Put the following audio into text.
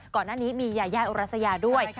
ก่อนหน้านี้มียายาอุรัสยาด้วย